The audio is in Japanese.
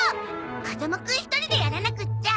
風間くん１人でやらなくっちゃ！